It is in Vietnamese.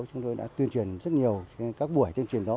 chúng tôi đã tuyên truyền rất nhiều các buổi tuyên truyền đó